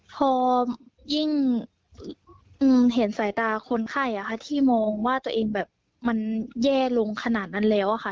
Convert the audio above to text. พอยิ่งเห็นสายตาคนไข้ที่มองว่าตัวเองแบบมันแย่ลงขนาดนั้นแล้วค่ะ